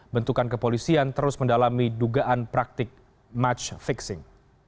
bentukan kepolisian terus mendalami dugaan praktik match fixing